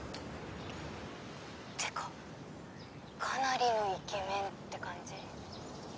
「ってかかなりのイケメンって感じ？」